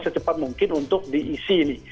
secepat mungkin untuk diisi ini